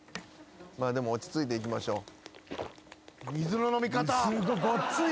まあでも落ち着いていきましょう。